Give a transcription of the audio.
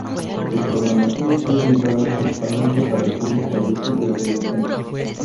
Su programación está orientada principalmente para el público adulto y adolescente.